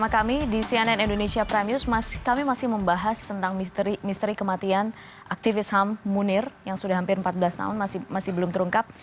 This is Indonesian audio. kami akan membahas tentang kesehatan aktivis ham munir yang sudah hampir empat belas tahun masih belum terungkap